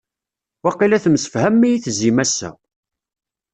Waqila temsefhamem ad iyi-tezzim ass-a.